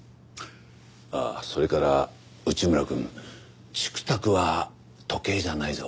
ああそれから内村くんＣｉｋＴａｋは時計じゃないぞ。